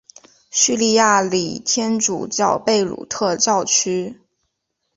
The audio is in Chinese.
叙利亚礼天主教贝鲁特教区。